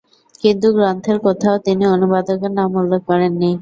কিন্তু গ্রন্থের কোথাও তিনি অনুবাদকের নাম উল্লেখ করেননি।